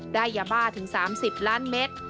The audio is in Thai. ได้ยาบ้าถึง๓๐ล้านเมตร